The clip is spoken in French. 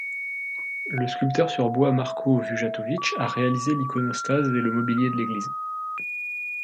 Le sculpteur sur bois Marko Vujatović a réalisé l'iconostase et le mobilier de l'église.